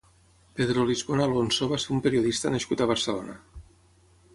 Pedro Lisbona Alonso va ser un periodista nascut a Barcelona.